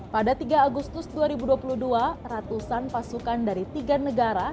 pada tiga agustus dua ribu dua puluh dua ratusan pasukan dari tiga negara